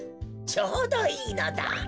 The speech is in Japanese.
ちょうどいいのだ。